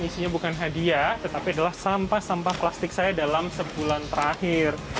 isinya bukan hadiah tetapi adalah sampah sampah plastik saya dalam sebulan terakhir